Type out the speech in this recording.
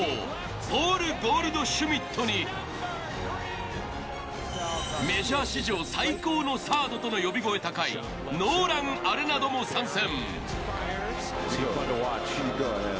ポール・ゴールドシュミットにメジャー史上最高のサードとの呼び声高いノーラン・アレナドも参戦。